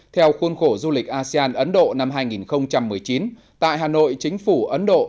theo khuôn khổ du lịch asean ấn độ năm hai nghìn một mươi chín tại hà nội chính phủ ấn độ